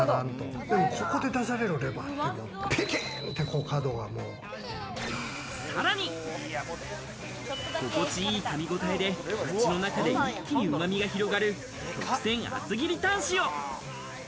でもここで出されるレバーって、さらに、心地いい噛み応えで、口の中で一気に旨味が広がる特選厚切りタン塩。